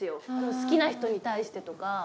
好きな人に対してとか。